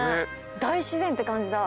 大自然って感じだ。